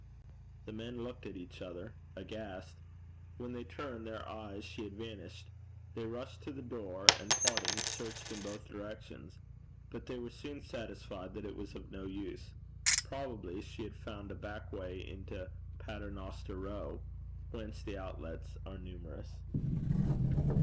The men looked at each other aghast. When they turned their eyes she had vanished. They rushed to the door, and, parting, searched in both directions. But they were soon satisfied that it was of no use. Probably she had found a back way into Paternoster Row, whence the outlets are numerous.